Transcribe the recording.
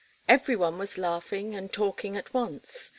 Every one was laughing and talking at once.